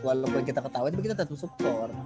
walaupun kita ketawain tapi kita tetep support